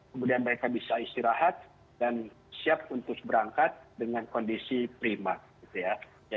kemudian mereka bisa istirahat dan siap untuk berangkat dengan kondisi prima gitu ya